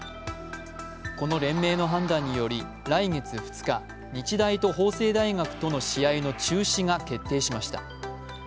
この連盟の判断により来月２日日大と法政大学との試合の中止が決定しました。